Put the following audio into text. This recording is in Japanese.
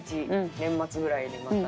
年末ぐらいにまた。